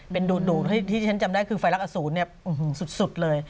เป็นดูดที่ฉันจำได้คือไฟลักอสูรสุดเลย